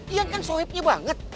ian kan sohibnya banget